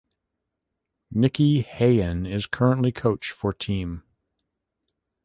Nicky Hayen is currently coach for team.